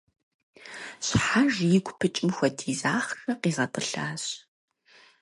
Щхьэж игу пыкӏым хуэдиз ахъшэ къигъэтӏылъащ.